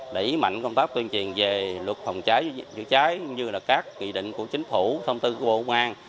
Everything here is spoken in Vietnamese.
để ý mạnh công tác tuyên truyền về luật phòng cháy chữa cháy như các nghị định của chính phủ thông tư của bộ công an